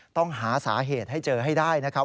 ต้องหาสาเหตุให้เจอให้ได้นะครับ